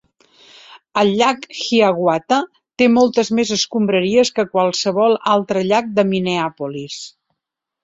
El llac Hiawatha té moltes més escombraries que qualsevol altre llac de Minneapolis.